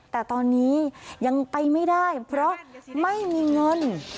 แต่ตอนนี้ยังไปไม่ได้เพราะไม่มีเงิน